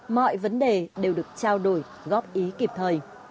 mọi vấn đề đều được trao đổi góp ý kịp thời